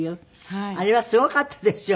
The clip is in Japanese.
あれはすごかったですよね。